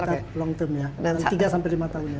sekitar long term ya tiga sampai lima tahun ya